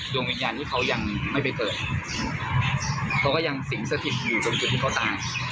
วิญญาณที่เขายังไม่ไปเกิดเขาก็ยังสิงสถิตอยู่ตรงจุดที่เขาตาย